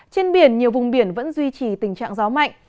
trên biển nhiều vùng biển vẫn duy trì tình trạng gió mạnh